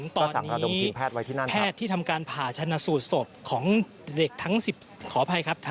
ตอนนี้แพทย์ที่ทำการผ่าชนะสูดสบของเด็กทั้งสิบขออภัยครับ